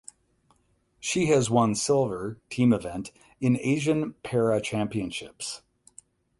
She has won silver (Team event) in Asian para championships.